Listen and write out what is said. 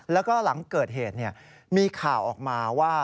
แล้วก็หลังเกิดเหตุมีข่าวออกมาว่า